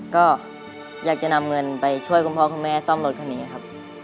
ก็อยากจะนำเงินไปช่วยคุณพ่อคุณแม่ซ่อมรถคันนี้ครับ